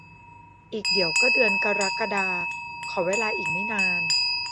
อีกเดี๋ยวก็เดือนกรกฎา ขอเวลาอีกไม่นาน